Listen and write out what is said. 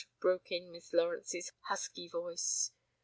broke in Miss Lawrence's husky voice.